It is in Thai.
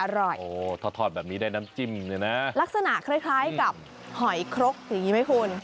รสทอดแบบนี้ได้นำจิ้มอยู่นะลักษณะคล้ายกับหอยคลกอย่างนี้ไหมฮุน